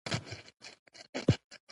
د تازه مالټو هیواد افغانستان.